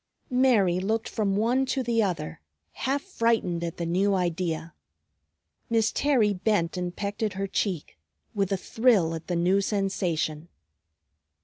Mary looked from one to the other, half frightened at the new idea. Miss Terry bent and pecked at her cheek, with a thrill at the new sensation.